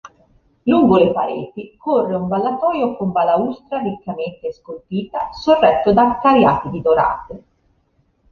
Lungo le pareti, corre un ballatoio con balaustra riccamente scolpita, sorretto da cariatidi dorate.